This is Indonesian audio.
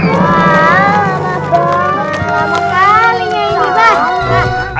selamat malam pak